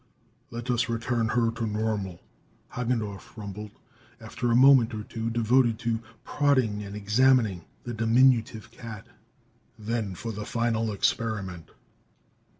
"Let us return her to normal," Hagendorff rumbled after a moment or two devoted to prodding and examining the diminutive cat. "Then for the final experiment."